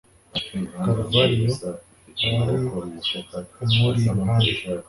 kaluvariyo. wari umuri iruhande